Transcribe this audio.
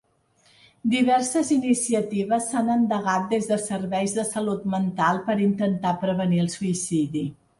Diverses iniciatives s'han endegat des de serveis de salut mental per intentar prevenir el suïcidi.